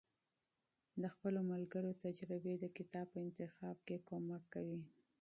د خپلو ملګرو تجربې د کتاب په انتخاب کې مرسته کوي.